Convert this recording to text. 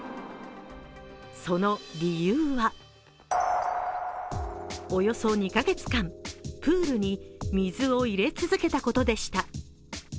その理由はおよそ２カ月間、プールに水を入れ続けたことでした。